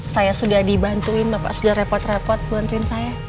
saya sudah dibantuin bapak sudah repot repot bantuin saya